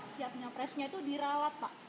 ppres nya itu dirawat pak